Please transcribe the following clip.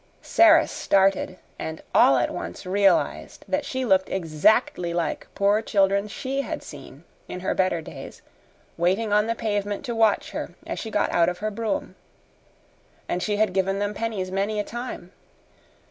Sara started, and all at once realized that she looked exactly like poor children she had seen, in her better days, waiting on the pavement to watch her as she got out of her brougham. And she had given them pennies many a time.